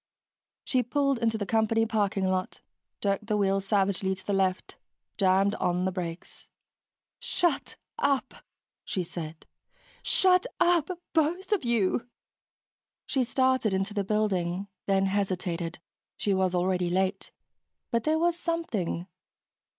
She pulled into the company parking lot, jerked the wheel savagely to the left, jammed on the brakes. "Shut up!" she said. "Shut up, both of you!" She started into the building, then hesitated. She was already late, but there was something....